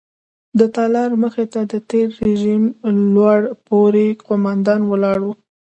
د تالار مخې ته د تېر رژیم لوړ پوړي قوماندان ولاړ وو.